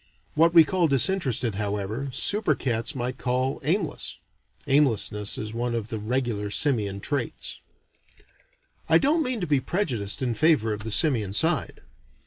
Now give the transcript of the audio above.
What we call disinterested, however, super cats might call aimless. (Aimlessness is one of the regular simian traits.) I don't mean to be prejudiced in favor of the simian side.